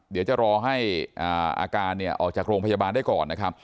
เดี๋ยวจะรอให้อาการออกจากโรงพยาบาลได้ก่อนนะครับ